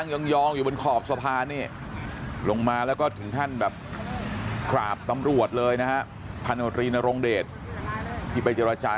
ยองอยู่บนขอบสะพานนี่ลงมาแล้วก็ถึงขั้นแบบกราบตำรวจเลยนะฮะพันธรีนรงเดชที่ไปเจรจา